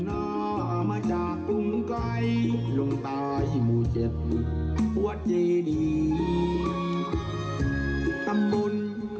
ลงตายหิมูเจ็บหลุดหัวเจดีทำมุน